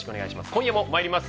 今夜もまいります。